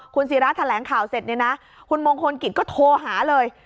คุณศิราแถลงข่าวเสร็จเนี่ยนะคุณมงคลกิจก็โทรหาเลย